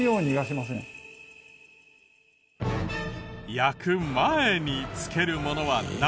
焼く前につけるものは何？